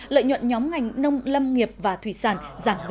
lợi nhuận nhóm ngành nông lâm nghiệp và thủy sản giảm gần một nửa